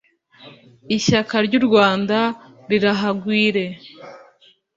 Ishyaka ry'u Rwanda rirahagwire.